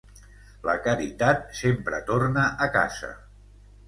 La caritat sempre torna a casa.